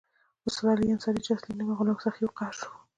استاد علي انصاري چې اصلي نوم یې غلام سخي وو قهر شو.